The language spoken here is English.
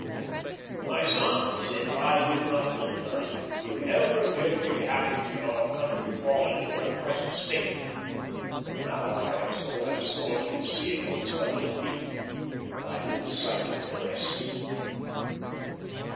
"My son," he said, "I did not think I could ever again be happy should our country fall into her present state; but now I am so absorbed in seeing those fellows beaten that I lose sight of the rest."